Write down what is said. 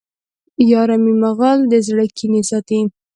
یارمی مغل د زړه کینې ساتي